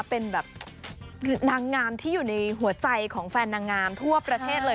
เป็นแบบนางงามที่อยู่ในหัวใจของแฟนนางงามทั่วประเทศเลย